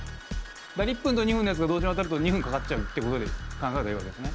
１分と２分のやつが同時に渡ると２分かかっちゃうってことで考えりゃいいわけですね。